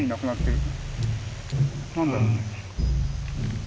何だろうね。